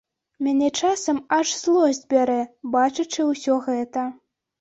Мяне часам аж злосць бярэ, бачачы ўсё гэта.